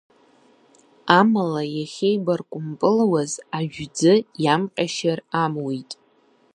Амала, иахьеибаркәымпылуаз ажәӡы иамҟьашьыр амуит.